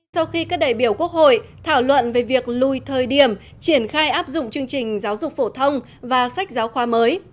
sau khi các đại biểu quốc hội thảo luận về việc lùi thời điểm triển khai áp dụng chương trình giáo dục phổ thông và sách giáo khoa mới